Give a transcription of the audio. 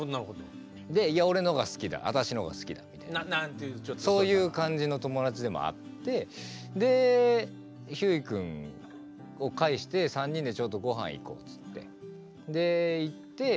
でいや俺のが好きだあたしのが好きだみたいなそういう感じの友達でもあってでひゅーい君を介して３人でちょっとご飯行こうつってで行って